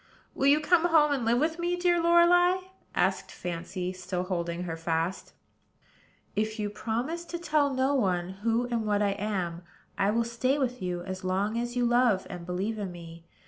"Will you come home and live with me, dear Lorelei?" asked Fancy, still holding her fast. "If you will promise to tell no one who and what I am, I will stay with you as long as you love and believe in me.